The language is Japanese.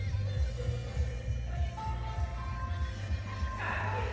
かんげき！